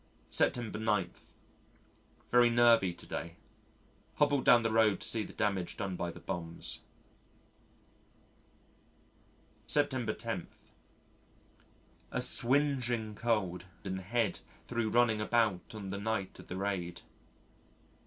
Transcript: September 9. Very nervy to day. Hobbled down the road to see the damage done by the bombs. September 10. A swingeing cold in the head thro' running about on the night of the raid.